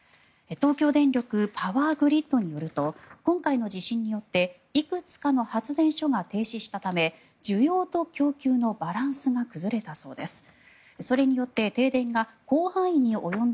東京電力パワーグリッドによると今回の地震によっていくつかの発電所が停止したため需要と供給のバランスが崩れたそうです。